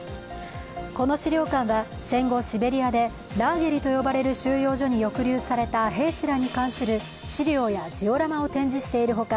この資料館は、戦後シベリアでラーゲリと呼ばれる収容所に兵士らに関する資料やジオラマを展示しているほか